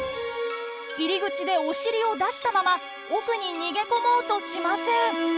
入り口でおしりを出したまま奥に逃げ込もうとしません。